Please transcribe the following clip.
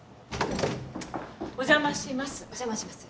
お邪魔します。